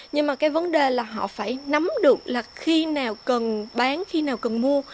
nhưng mà cái vấn đề là họ phải nắm được là khi nào cần bán khi nào cần mua